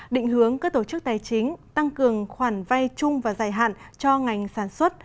định hướng các tổ chức tài chính tăng cường khoản vay chung và dài hạn cho ngành sản xuất